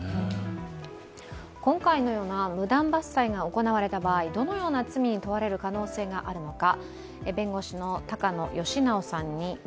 今回のような無断伐採が行われた場合、どのような罪に問われる可能性があるのか。